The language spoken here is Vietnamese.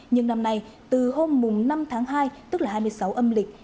nhưng năm nay từ hôm năm tháng hai tức là hai mươi sáu âm lịch